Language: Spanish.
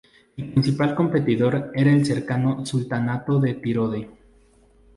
El principal competidor era el cercano sultanato de Tidore.